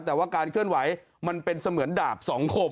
แต่ว่าการเคลื่อนไหวมันเป็นเสมือนดาบสองคม